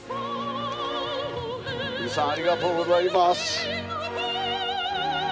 富士山ありがとうございます。